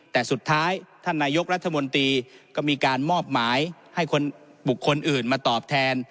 แต่สุดท้ายท่านนายกรัฐมนตรีก็มีการมอบหมายให้คนบุคคลอื่นมาตอบแทน